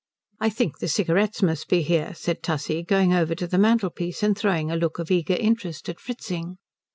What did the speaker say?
"I think the cigarettes must be here," said Tussie, going over to the mantelpiece and throwing a look of eager interest at Fritzing.